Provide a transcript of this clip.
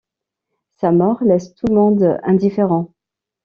Sa mort laisse tout le monde indifférent.